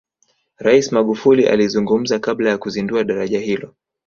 rais magufuli alizungumza kabla ya kuzindua daraja hilo